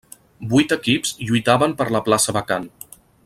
Vuit equips lluitaven per la plaça vacant.